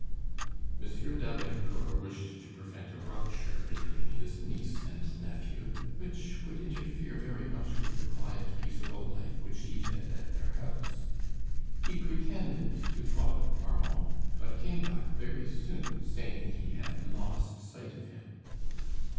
M. d'Ablaincourt wished to prevent a rupture between his niece and nephew, which would interfere very much with the quiet, peaceable life which he led at their house. He pretended to follow Armand; but came back very soon, saying he had lost sight of him.